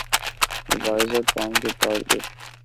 وہ باعزت قوم کے طور پہ